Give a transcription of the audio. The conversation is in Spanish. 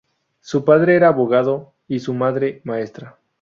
Su padre era abogado y su madre maestra.